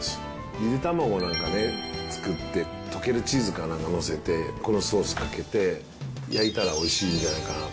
ゆで卵なんかね、作って、溶けるチーズかなんか載せて、このソースかけて、焼いたらおいしいんじゃないかなと。